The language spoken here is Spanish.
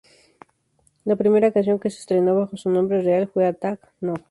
La primera canción que se estrenó bajo su nombre real fue Attack No.